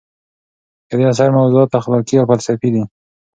د دې اثر موضوعات اخلاقي او فلسفي دي.